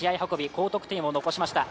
高得点を残しました。